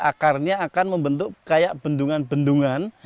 akarnya akan membentuk kayak bendungan bendungan